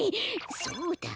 そうだ！